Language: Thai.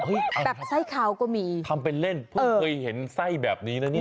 แบบไส้เขาก็มีทำเป็นเล่นเพิ่งเคยเห็นไส้แบบนี้นะเนี่ย